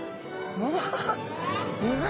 うわ！